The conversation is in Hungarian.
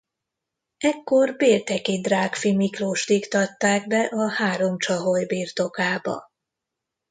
Ekkor Bélteki Drágfi Miklóst iktatták be a három Csaholy birtokába.